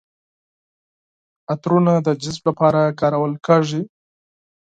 عطرونه د جذب لپاره کارول کیږي.